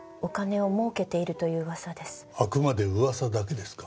あくまで噂だけですか？